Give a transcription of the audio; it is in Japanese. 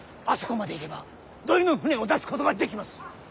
あそこまで行けば土肥の舟を出すことができます。